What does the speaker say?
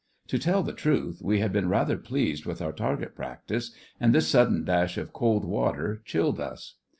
To tell the truth, we had been rather pleased with our target practice, and this sudden dash of cold water chilled us.